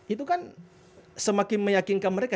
itu kan semakin meyakinkan mereka